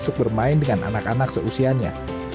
dia juga sering bermain dengan anak anak seusianya